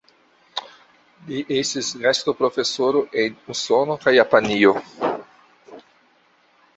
Li estis gastoprofesoro en Usono kaj Japanio.